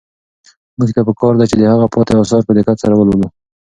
موږ ته په کار ده چې د هغه پاتې اثار په دقت سره ولولو.